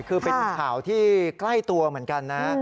คือเป็นข่าวที่ใกล้ตัวเหมือนกันนะ